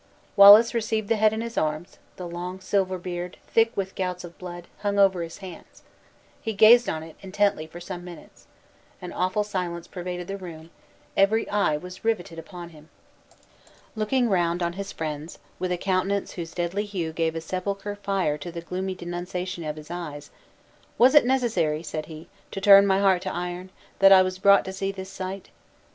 Wallace received the head in his arms; the long silver beard, thick with gouts of blood, hung over his hands. He gazed on it, intently, for some minutes. An awful silence pervaded the room; every eye was riveted upon him. Looking round on his friends, with a countenance whose deadly hue gave a sepulchral fire to the gloomy denunciation of his eyes; "Was it necessary," said he, "to turn my heart to iron, that I was brought to see this sight?"